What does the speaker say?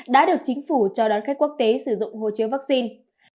đã được chính phủ cho đón khách quốc tế sử dụng hộ chiếu vaccine